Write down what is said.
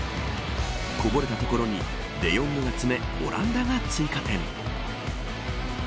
こぼれたところにデヨングが詰めオランダが追加点。